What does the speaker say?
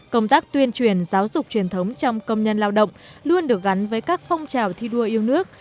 công tác tuyên truyền giáo dục truyền thống trong công nhân lao động luôn được gắn với các phong trào thi đua yêu nước